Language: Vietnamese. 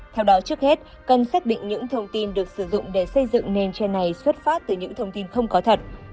theo đó trước hết cần xét định những thông tin được sử dụng để xây dựng nên trend này xuất phát từ những thông tin không có thật